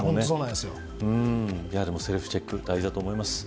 でも、セルフチェック大事だと思います。